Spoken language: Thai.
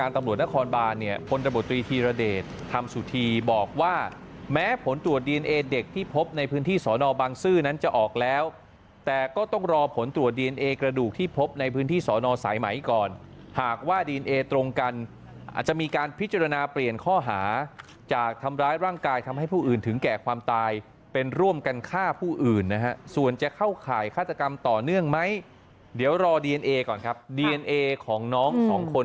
ทำสุทีบอกว่าแม้ผลตรวจดีเนเอเด็กที่พบในพื้นที่สอนอบางซื่อนั้นจะออกแล้วแต่ก็ต้องรอผลตรวจดีเนเอกระดูกที่พบในพื้นที่สอนอสายไหมก่อนหากว่าดีเนเอตรงกันอาจจะมีการพิจารณาเปลี่ยนข้อหาจากทำร้ายร่างกายทำให้ผู้อื่นถึงแก่ความตายเป็นร่วมกันฆ่าผู้อื่นนะฮะส่วนจะเข้าข่ายฆาตกรรมต่อเนื่อง